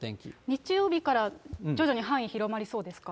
日曜日から徐々に範囲広まりそうですか。